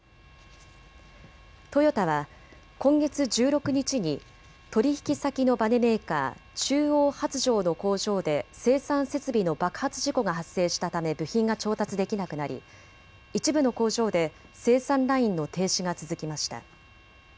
トヨタは今月１６日に取引先のばねメーカー、中央発條の工場で生産設備の爆発事故が発生したため部品が調達できなくなり一部の工場で生産ラインの停止が続きました。